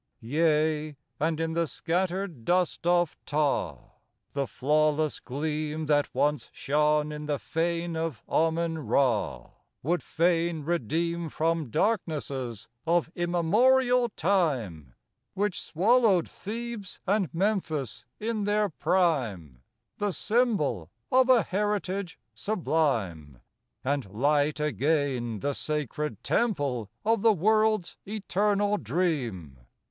30 Yea, and in the scattered dust of Ptah, The flawless gleam That once shone in the fane of Amen Ra Would fain redeem From darknesses of immemorial time, Which swallowed Thebes and Memphis in their prime, The symbol of a heritage sublime, And light again the sacred temple of the world's eternal dream.